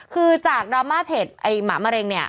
คือจากดราม่าเพจไอ้หมามะเร็งเนี่ย